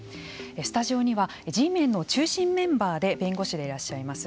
スタジオにはＧメンの中心メンバーで弁護士でいらっしゃいます